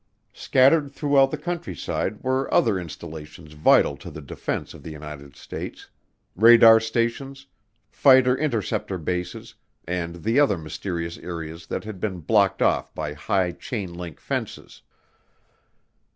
Scattered throughout the countryside were other installations vital to the defense of the U.S.: radar stations, fighter interceptor bases, and the other mysterious areas that had been blocked off by high chain link fences.